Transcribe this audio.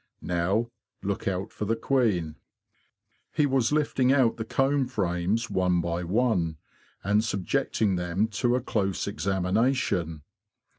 Now, look out for the queen! " He was lifting out the comb frames one by one, and subjecting them to a close examination.